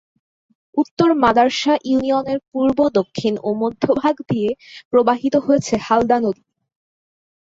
উত্তর মাদার্শা ইউনিয়নের পূর্ব, দক্ষিণ ও মধ্যভাগ দিয়ে প্রবাহিত হয়েছে হালদা নদী।